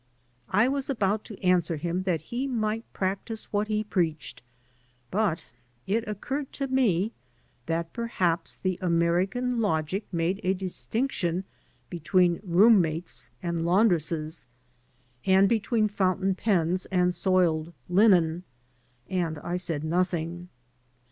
I was about to answer him that he might practise what he preached, but it occurred to me that perhaps the American logic made ^ distinc tion between room mates and laundresses and between fountain pens and soiled linen, and I said nothing.